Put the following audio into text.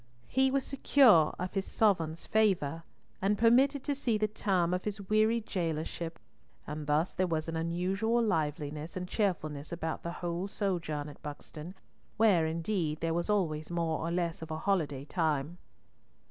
He was secure of his sovereign's favour, and permitted to see the term of his weary jailorship, and thus there was an unusual liveliness and cheerfulness about the whole sojourn at Buxton, where, indeed, there was always more or less of a holiday time.